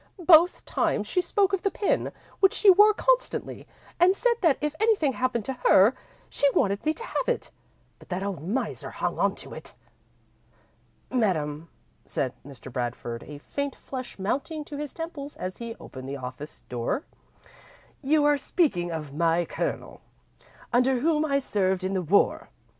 Both times she spoke of the pin, which she wore constantly, and said that if anything happened to her, she wanted me to have it, but that old miser hung on to it." "Madam," said Mr. Bradford, a faint flush mounting to his temples as he opened the office door, "you are speaking of my Colonel, under whom I served in the war.